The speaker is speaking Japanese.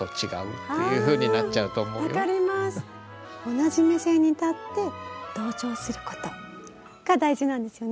「同じ目線に立って同調すること」が大事なんですよね。